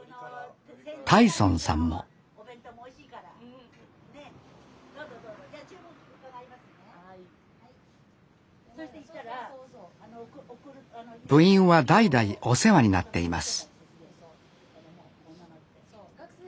太尊さんも部員は代々お世話になっています